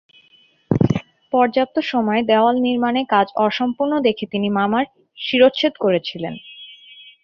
পর্যাপ্ত সময়ে দেওয়াল নির্মানের কাজ অসম্পূর্ণ দেখে তিনি মামার শিরশ্ছেদ করেছিলেন।